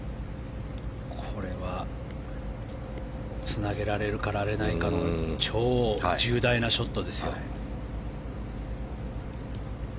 これはつなげられるかられないかの超重大なショットですよ。